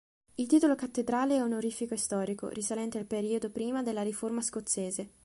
Il titolo cattedrale è onorifico e storico, risalente al periodo prima della riforma scozzese.